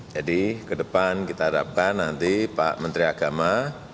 jadi ke depan kita harapkan nanti pak menteri agama